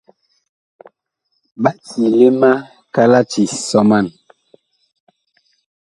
Ɓa ciile ma kalati sɔman.